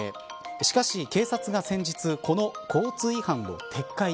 しかし、警察が先日この交通違反を撤回。